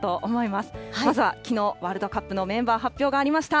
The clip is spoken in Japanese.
まずはきのう、ワールドカップのメンバー発表がありました